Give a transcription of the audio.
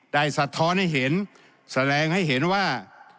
สะท้อนให้เห็นแสดงให้เห็นว่า